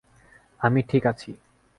আমি ঠিক আছি!